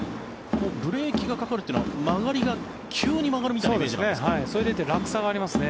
ブレーキがかかるというのは曲がりが急に曲がるみたいな感じなんですか？